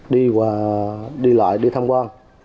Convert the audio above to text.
đi lại đi thăm quan